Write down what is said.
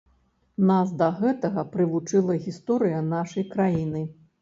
Нас да гэтага прывучыла гісторыя нашай краіны.